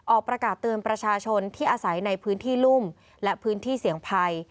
ออกประกาศเตือนประชาชนที่อาศัยในพื้นที่รุ่มและพื้นที่เสี่ยงภัย